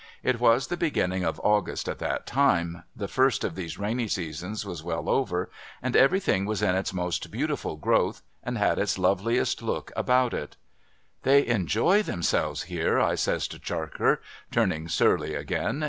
It was the beginning of August at that time ; the first of these rainy seasons was well over ; and everything was in its most beautiful growth, and had its loveliest look upon it. 'They enjoy themselves here,' I says to Charker, turning surly again.